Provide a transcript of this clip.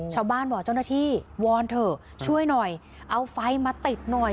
ชาวบ้านบอกเจ้าหน้าที่วอนเถอะช่วยหน่อยเอาไฟมาติดหน่อย